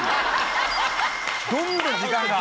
どんどん時間が。